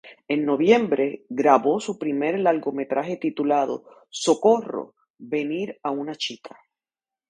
En noviembre, grabó su primer largometraje titulado "Socorro, ¡Venir a una chica!